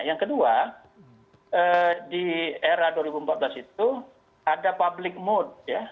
yang kedua di era dua ribu empat belas itu ada public mood ya